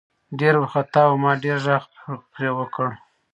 ډېر ورخطا وو ما ډېر غږ پې وکړه .